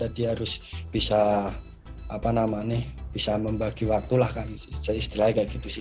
terus bisa apa namanya bisa membagi waktu lah kak istilahnya kayak gitu sih